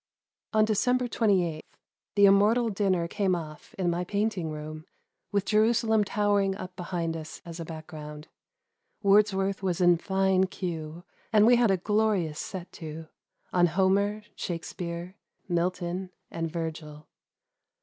On Decemher 28th, the immortal dinner came off in my painting room, with Jerusalem towering up behind us as a l>ackground. Wordsworth was in fine cue, and ^e had a glorious set to — on Homer, Shakspeare, Milton, and Virgil.